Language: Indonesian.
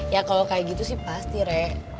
ya kalo kayak gitu sih pasti raya